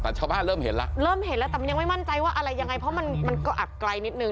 แต่ชาวบ้านเริ่มเห็นแล้วเริ่มเห็นแล้วแต่มันยังไม่มั่นใจว่าอะไรยังไงเพราะมันมันก็อัดไกลนิดนึ